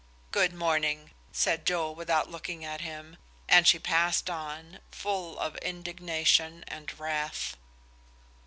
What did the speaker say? "Good morning," said Joe, without looking at him; and she passed on, full of indignation and wrath.